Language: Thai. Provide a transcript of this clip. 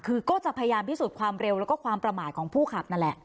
คือก็จะพยายามพิสูจน์ความเร็วแล้วก็ความประมาทของผู้ขับนั่นแหละ